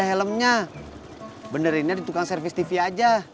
helmnya benerinnya ditukang service tv aja